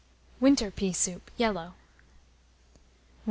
WINTER PEA SOUP (YELLOW). 143.